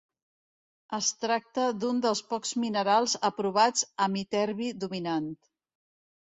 Es tracta d'un dels pocs minerals aprovats amb iterbi dominant.